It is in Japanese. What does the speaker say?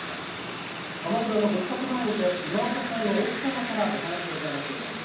「鎌倉のご自宅前にて今岡さんの奥様からお話を伺っています」